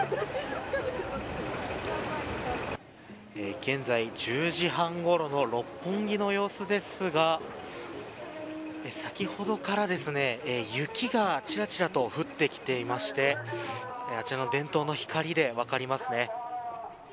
現在１０時半ごろの六本木の様子ですが先ほどから雪がちらちらと降ってきていましてあちらの電灯の光で分かりますね。